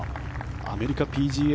アメリカＰＧＡ